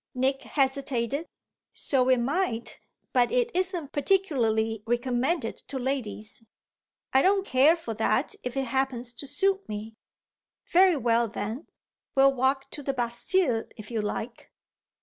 Nick hesitated. "So it might, but it isn't particularly recommended to ladies." "I don't care for that if it happens to suit me." "Very well then, we'll walk to the Bastille if you like."